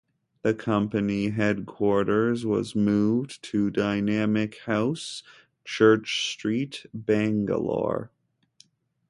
The company headquarters was moved to Dynamic House, Church Street, Bangalore.